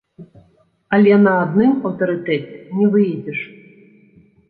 Але на адным аўтарытэце не выедзеш.